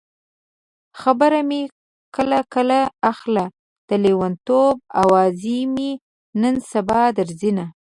خبر مې کله کله اخله د لېونتوب اواز مې نن سبا درځينه